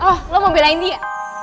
oh lo mau belain dia